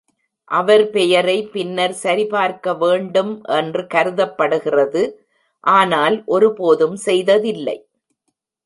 அவர் பெயரை பின்னர் சரிபார்க்க வேண்டும் என்று கருதப்படுகிறது, ஆனால் ஒருபோதும் செய்ததில்லை.